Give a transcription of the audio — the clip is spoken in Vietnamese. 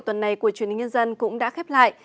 tuần này của truyền hình nhân dân cũng đã khép lại